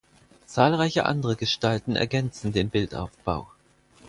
Zahlreiche andere Gestalten ergänzen den Bildaufbau.